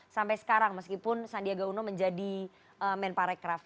sampai sekarang meskipun sandiaga uno menjadi men parekraf